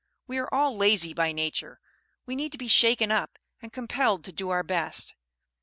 We are all lazy by nature; we need to be shaken up and compelled to do our best.